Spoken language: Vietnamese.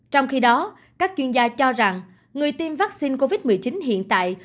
trong khi đó các chuyên gia cho rằng người tiêm vắc xin covid một mươi chín hiện tại